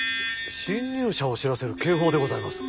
侵入者を知らせる警報でございます。